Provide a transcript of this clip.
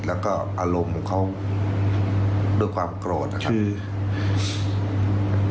แล้วก็อารมณ์ของเขาด้วยความโกรธนะครับ